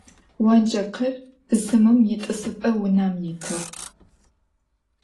Онджэкъыр бысымым итӏысыпӏэ унэм итыгъ.